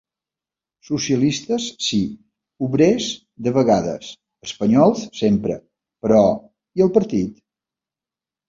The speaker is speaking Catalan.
Socialistes sí, obrers de vegades, espanyols sempre, però i el partit?